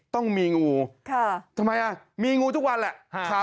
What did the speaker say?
ต้องมีงูค่ะทำไมอ่ะมีงูทุกวันแหละค่ะ